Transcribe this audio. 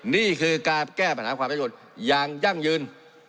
นี่คือการแก้ปัญหาความประโยชน์อย่างยั่งยืน